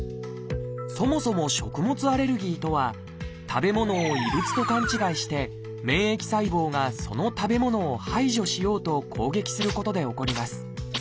そもそも「食物アレルギー」とは食べ物を異物と勘違いして免疫細胞がその食べ物を排除しようと攻撃することで起こります。